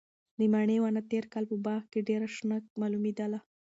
د مڼې ونه تېر کال په باغ کې ډېره شنه معلومېدله.